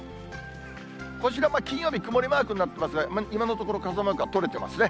こちらも金曜日、曇りマークになってますが、今のところ、傘マークは取れてますね。